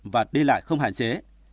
và đi lại không hạn chế